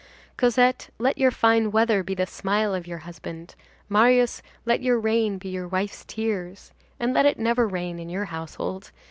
Cosette, let your fine weather be the smile of your husband; Marius, let your rain be your wife's tears. And let it never rain in your household.